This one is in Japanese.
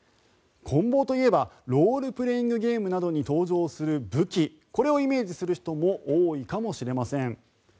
こん棒といえばロールプレイングゲームなどに登場する武器これをイメージする人も多いかもしれません。